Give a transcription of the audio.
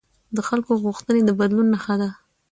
د خلکو غوښتنې د بدلون نښه ده